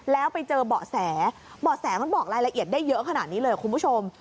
แล้วไปเจอเบาะแสเบาะแสมันบอกรายละเอียดได้เยอะขนาดนี้เลยคุณผู้ชม